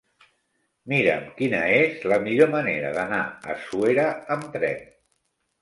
Mira'm quina és la millor manera d'anar a Suera amb tren.